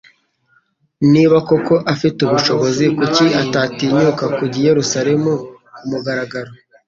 Niba koko afite ubushobozi kuki adatinyuka kujya i Yerusalemu kumugaragaro